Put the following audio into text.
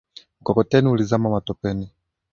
Mkokoteni ulizama matopeni